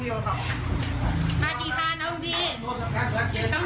ดึงมา๒ครั้งดีให้เหรอ